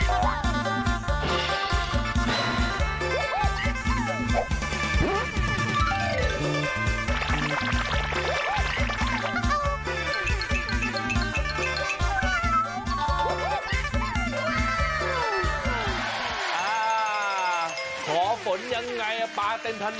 อ่าขอฝนยังไงอ่ะปลาเต็มถนน